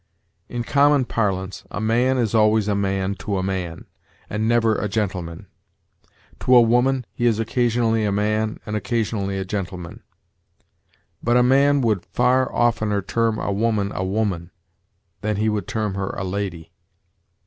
In common parlance, a man is always a man to a man, and never a gentleman; to a woman, he is occasionally a man and occasionally a gentleman; but a man would far oftener term a woman a woman than he would term her a lady.